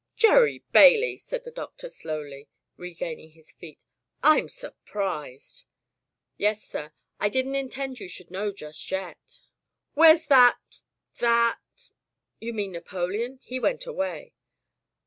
"Gerry Bailey!" said the Doctor, slowly regaining his feet, "Tm surprised!'* "Yes, sir. I didn't intend you should know just yet." "Where's that— that " "You mean Napoleon? He went away."